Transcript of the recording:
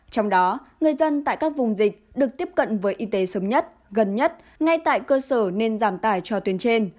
trong đó người dân tại các vùng dịch được tiếp cận với y tế sớm nhất gần nhất ngay tại cơ sở nên giảm tải cho tuyến trên